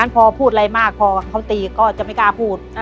พอพูดอะไรมากพอเขาตีก็จะไม่กล้าพูด